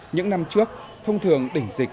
những năm trước thông thường đỉnh dịch